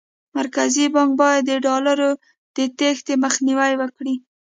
مرکزي بانک باید د ډالرو د تېښتې مخنیوی وکړي.